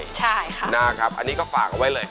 ใช่ค่ะนะครับอันนี้ก็ฝากเอาไว้เลย